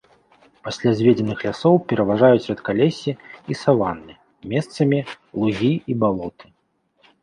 Пасля зведзеных лясоў пераважаюць рэдкалессі і саванны, месцамі лугі і балоты.